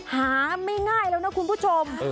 หาไม่ง่ายแล้วนะคุณผู้ชม